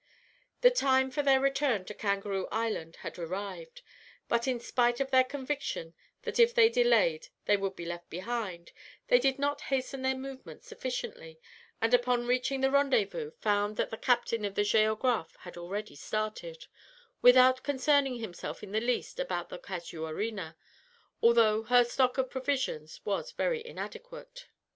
The time for their return to Kangaroo Island had arrived. But in spite of their conviction that if they delayed they would be left behind, they did not hasten their movements sufficiently, and upon reaching the rendezvous found that the captain of the Géographe had already started, without concerning himself in the least about the Casuarina, although her stock of provisions was very inadequate.